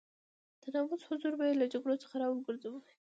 د ناموس حضور به يې له جګړو څخه را وګرځوي.